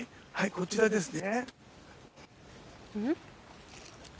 こちらですね。